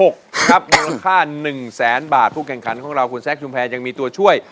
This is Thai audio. มูลค่า๑แสนบาทผู้แข่งขันของเราคุณแซคชุมแพรยังมีตัวช่วย